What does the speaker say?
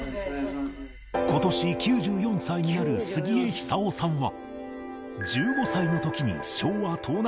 今年９４歳になる杉江久男さんは